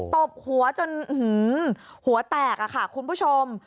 ตบหัวจนหัวแตกค่ะคุณผู้ชม